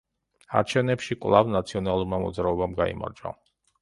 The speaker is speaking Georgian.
არჩევნებში კვლავ „ნაციონალურმა მოძრაობამ“ გაიმარჯვა.